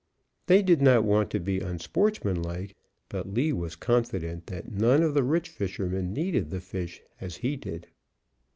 They did not want to be unsportsmanlike, but Lee was confident that none of the rich fishermen needed the fish as he did.